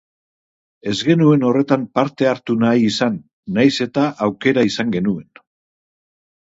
Ez genuen horretan parte hartu nahi izan, nahiz eta aukera izan genuen.